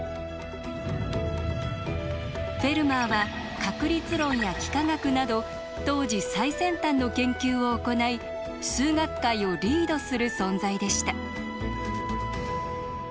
フェルマーは確率論や幾何学など当時最先端の研究を行い数学界をリードする存在でした。